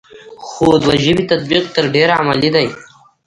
خو دوه ژبې تطبیق تر ډېره عملي دی ا